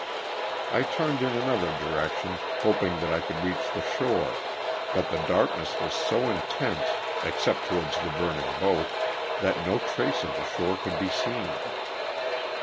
I turned in another direction hoping that I could reach the shore, but the darkness was so intense, except towards the burning boat, that no trace of the shore could be seen.